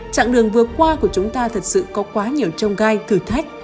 trạng đường vừa qua của chúng ta thật sự có quá nhiều trông gai thử thách